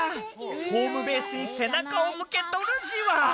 ホームベースに背中を向けとるじわ。